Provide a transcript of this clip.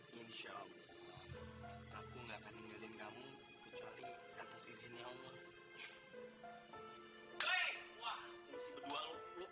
hai insya allah aku nggak akan ninggalin kamu kecuali atas izinnya umurmu